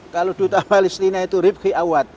kalau duta palestina itu ribki awad